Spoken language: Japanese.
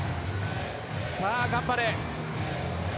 さあ、頑張れ。